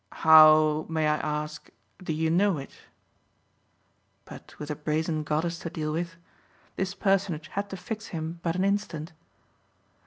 "How, may I ask, do you know it?" But with a brazen goddess to deal with ! This personage had to fix him but an instant.